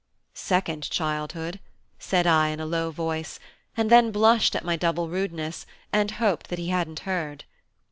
"Second childhood," said I in a low voice, and then blushed at my double rudeness, and hoped that he hadn't heard.